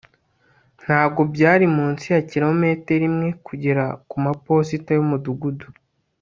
ntabwo byari munsi ya kilometero imwe kugera kumaposita yumudugudu